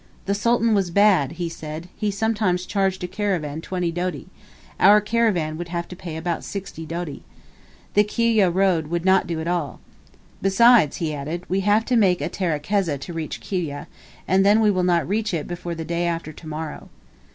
"The Sultan was bad," he said; "he sometimes charged a caravan twenty doti; our caravan would have to pay about sixty doti. The Kiwyeh road would not do at all. Besides," he added, "we have to make a terekeza to reach Kiwyeh, and then we will not reach it before the day after to morrow."